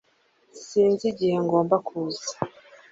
Sinzi igihe ngomba kuza